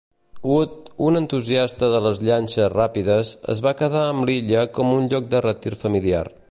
Wood, un entusiasta de les llanxes ràpides, es va quedar amb l'illa com un lloc de retir familiar.